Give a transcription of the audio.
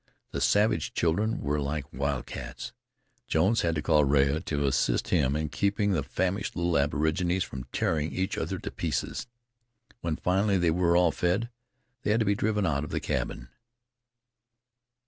The savage children were like wildcats. Jones had to call in Rea to assist him in keeping the famished little aborigines from tearing each other to pieces. When finally they were all fed, they had to be driven out of the cabin.